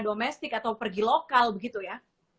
domestik atau pergi lokal begitu ya